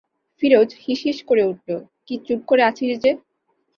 ফিরোজ হিসহিস করে উঠল, কি, চুপ করে আছিস যে?